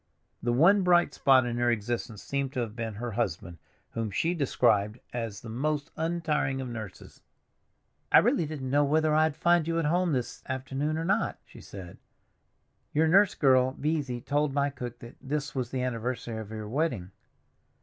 The one bright spot in her existence seemed to have been her husband, whom she described as the most untiring of nurses. "I really didn't know whether I'd find you at home this afternoon or not," she said. "Your nurse girl, Beesy, told my cook that this was the anniversary of your wedding.